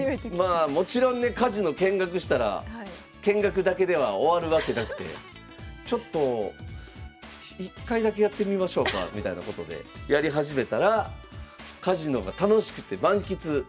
まあもちろんねカジノ見学したら見学だけでは終わるわけなくてちょっと１回だけやってみましょうかみたいなことでやり始めたらカジノが楽しくて満喫。